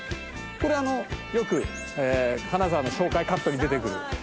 これよく金沢の紹介カットに出てくる。